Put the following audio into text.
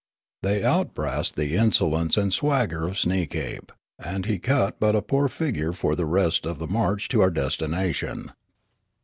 They outbrassed the insolence and swagger of Sneekape, and he cut but a poor figure for the rest of the march to our destination.